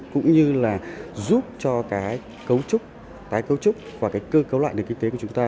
cũng như giúp cho tái cấu trúc và cơ cấu trúc nền kinh tế